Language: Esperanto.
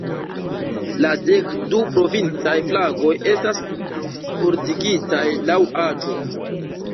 La dek du provincaj flagoj estas ordigitaj laŭ aĝo.